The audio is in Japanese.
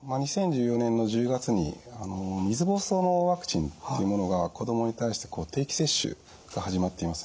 ２０１４年の１０月に水ぼうそうのワクチンっていうものが子供に対して定期接種が始まっています。